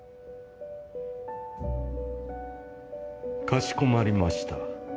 かしこまりました。